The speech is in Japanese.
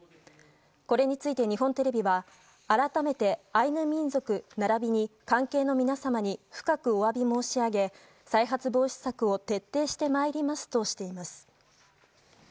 これについて日本テレビは改めて、アイヌ民族並びに関係の皆様に深くお詫び申し上げ再発防止策を徹底してまいりますとしています。